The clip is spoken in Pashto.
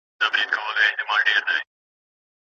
ايا تجربه تل باوري ده؟